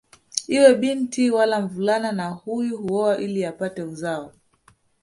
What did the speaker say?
Iwe binti wala mvulana na huyu huoa ili apate uzao